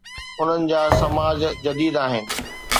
انهن جا سماج جديد آهن.